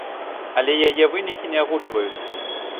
Але яе вынікі не агучваюцца.